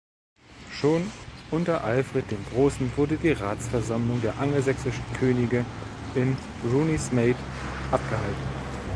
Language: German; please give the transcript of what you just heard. Schon unter Alfred dem Großen wurde die Ratsversammlung der angelsächsischen Könige in Runnymede abgehalten.